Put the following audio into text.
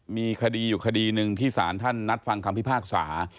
มีคดีอยู่คดีหนึ่งที่สารท่านนัดฟังคำพิพากษา